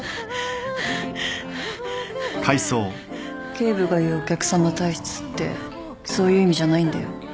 警部が言うお客さま体質ってそういう意味じゃないんだよ